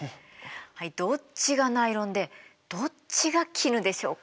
どっちがナイロンでどっちが絹でしょうか？